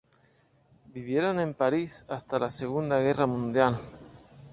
Vivieron en París hasta la Segunda Guerra Mundial.